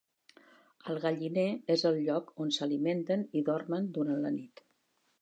El galliner és el lloc on s'alimenten i dormen durant la nit.